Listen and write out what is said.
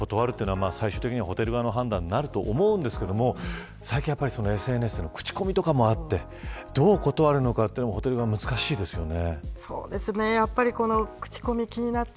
断るというのは最終的にはホテル側の判断ですが最近はＳＮＳの口コミとかもあって、どう断るのかもホテル側は難しいですよね。